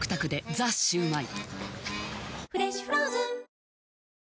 「ザ★シュウマイ」